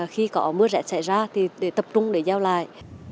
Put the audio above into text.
khi có mưa rẽ xảy ra thì tập trung để gieo lại